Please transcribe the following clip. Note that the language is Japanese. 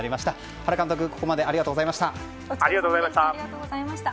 原監督、ここまでありがとうございました。